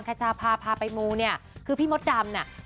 ขชาพาพาไปมูเนี่ยคือพี่มดดำเนี่ย